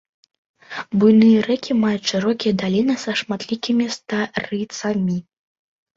Буйныя рэкі маюць шырокія даліны са шматлікімі старыцамі.